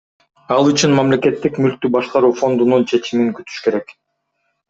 Ал үчүн Мамлекеттик мүлктү башкаруу фондунун чечимин күтүш керек.